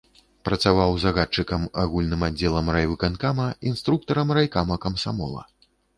Працаваў загадчыкам агульным аддзелам райвыканкама, інструктарам райкама камсамола.